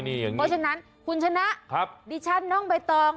เพราะฉะนั้นคุณชนะดิฉันน้องใบตอง